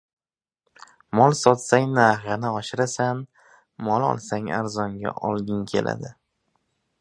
• Mol sotsang narhini oshirasan, mol olsang arzonga olging keladi.